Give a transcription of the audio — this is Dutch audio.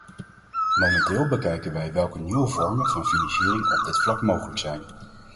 Momenteel bekijken wij welke nieuwe vormen van financiering op dit vlak mogelijk zijn.